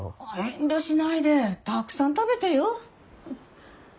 遠慮しないでたくさん食べてよ。